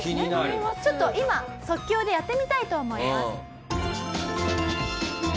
ちょっと今即興でやってみたいと思います。